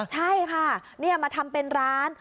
ใช่ค่ะนี่มาทำเป็นร้าน